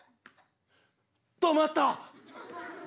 止まった！